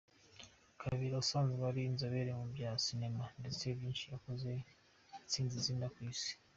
Kabera asanzwe ari inzobere mu bya sinema ndetse nyinshi yakoze zanditse izina ku Isi.